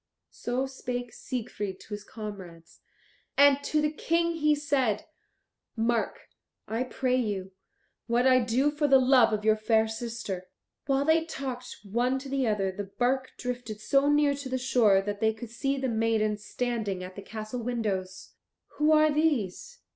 So spake Siegfried to his comrades. And to the King he said, "Mark, I pray you, what I do for the love of your fair sister." While they talked one to the other the bark drifted so near to the shore that they could see the maidens standing at the castle windows. "Who are these?"